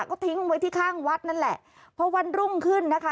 ก็ทิ้งไว้ที่ข้างวัดนั่นแหละพอวันรุ่งขึ้นนะคะ